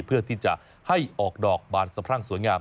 เพื่อที่จะให้ออกดอกบานสะพรั่งสวยงาม